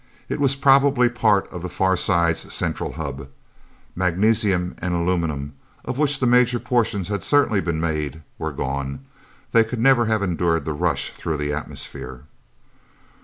It was probably part of the Far Side's central hub. Magnesium and aluminum, of which the major portions had certainly been made, were gone; they could never have endured the rush through the atmosphere.